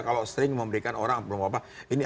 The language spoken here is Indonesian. kalau sering memberikan orang ini